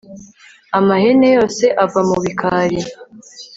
Amahene yose ave mu bikari